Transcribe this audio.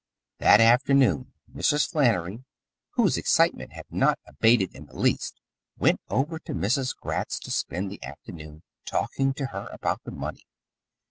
That afternoon Mrs. Flannery, whose excitement had not abated in the least, went over to Mrs. Gratz's to spend the afternoon talking to her about the money.